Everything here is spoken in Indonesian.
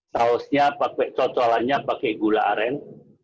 sausnya pakai cocolannya pakai gula aren